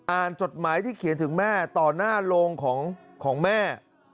จดหมายที่เขียนถึงแม่ต่อหน้าโรงของแม่